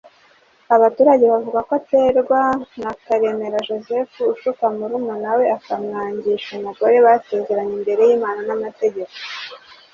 abaturage bavuga ko aterwa na Karemera Joseph ushuka murumuna we akamwangisha umugore basezeranye imbere y’Imana n’amategeko